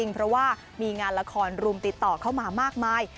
เพราะว่ามีงานละครรุมติดต่อเข้ามามากมาย